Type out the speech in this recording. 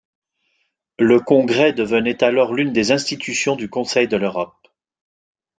Le Congrès devenait alors l'une des institutions du Conseil de l'Europe.